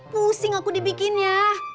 pusing aku dibikinnya